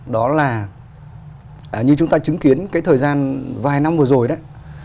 đó là như chúng ta chứng kiến cái thời gian vài năm vừa rồi đấy